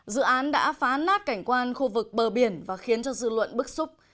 dự án đã phá nát cảnh quan khu vực bờ biển và khiến cho dư luận bức xúc